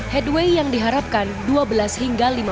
headway yang diharapkan dua belas hingga lima belas menit